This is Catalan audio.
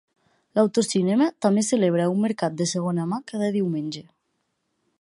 L'autocinema també celebra un mercat de segona mà cada diumenge.